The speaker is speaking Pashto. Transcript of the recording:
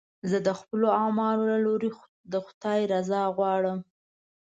زه د خپلو اعمالو له لارې د خدای رضا غواړم.